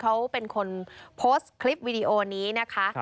เขาเป็นคนโพสต์คลิปวิดีโอนี้นะคะ